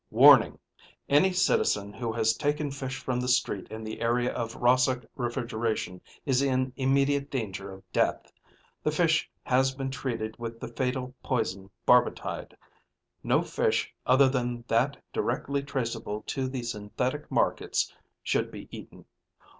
WARNING! Any citizen who has taken fish from the street in the area of Rahsok Refrigeration is in immediate danger of death. The fish has been treated with the fatal poison barbitide. No fish other than that directly traceable to the Synthetic Markets should be eaten.